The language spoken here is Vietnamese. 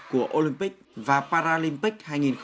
của olympic và paralympic